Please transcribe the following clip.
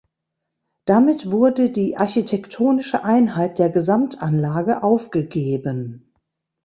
Damit wurde die architektonische Einheit der Gesamtanlage aufgegeben.